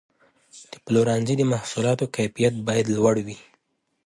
د پلورنځي د محصولاتو کیفیت باید لوړ وي.